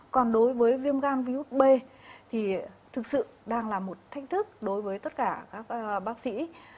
còn đối với viêm gan virus b thì thực sự đang là một thách thức đối với tất cả các bác sĩ